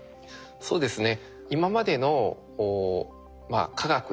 そうですね